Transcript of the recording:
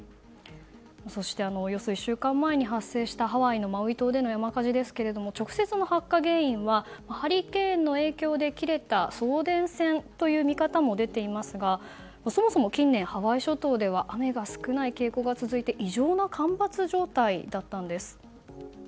そして、およそ１週間前に発生したハワイのマウイ島での山火事ですが直接の発火原因はハリケーンの影響で切れた送電線という見方も出ていますがそもそも近年ハワイ諸島では雨が少ない傾向が続いて異常な干ばつ状態だったんです。